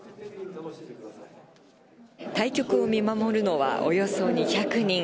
対局を見守るのはおよそ２００人。